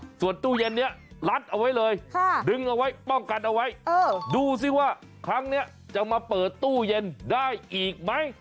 ส่วนตู้เย็นนี้ลัดเอาไว้เลยดึงเอาไว้ป้องกันเอาไว้ดูสิว่าครั้งนี้จะมาเปิดตู้เย็นได้อีกไหม